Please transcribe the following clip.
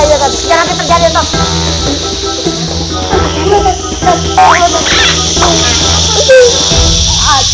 jangan hape terjadi ya ustadz